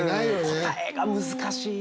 答えが難しいな。